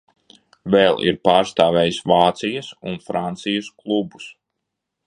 Vēl ir pārstāvējis Vācijas un Francijas klubus.